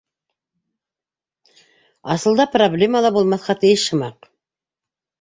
Асылда проблема ла булмаҫҡа тейеш һымаҡ...